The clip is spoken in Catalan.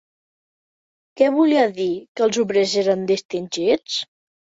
Què volia dir que els obrers eren distingits?